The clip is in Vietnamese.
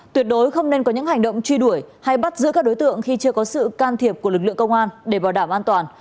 tuyệt đối không nên có những hành động truy đuổi hay bắt giữ các đối tượng khi chưa có sự can thiệp của lực lượng công an để bảo đảm an toàn